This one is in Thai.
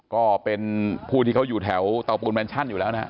ก็เป็นผู้ที่เขาอยู่แถวเตาปูนแมนชั่นอยู่แล้วนะฮะ